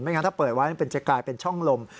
งั้นถ้าเปิดไว้มันจะกลายเป็นช่องลม